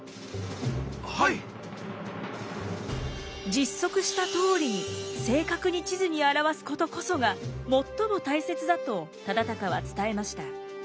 実測したとおりに正確に地図にあらわすことこそが最も大切だと忠敬は伝えました。